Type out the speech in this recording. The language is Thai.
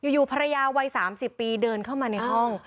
อยู่ภรรยาวัย๓๐ปีเดินเข้ามาในห้อง